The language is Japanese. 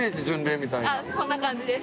そんな感じです。